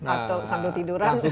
atau sambil tiduran